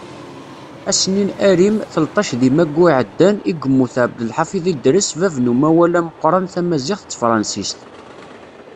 Ass-nni n arim, telṭac deg maggu iɛeddan, i yemmut Abdelḥafiḍ Idres bab n umawal ameqqran tamaziɣt d tefrensist.